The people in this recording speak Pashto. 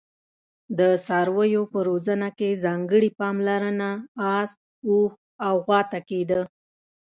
د څارویو په روزنه کې ځانګړي پاملرنه اس، اوښ او غوا ته کېده.